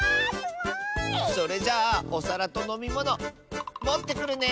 それじゃあおさらとのみものもってくるね！